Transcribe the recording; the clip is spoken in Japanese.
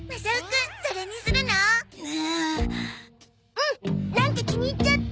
うんなんか気に入っちゃった。